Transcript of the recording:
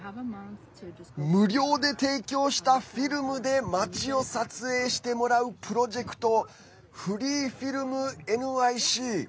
無料で提供したフィルムで街を撮影してもらうプロジェクトＦｒｅｅＦｉｌｍＮＹＣ。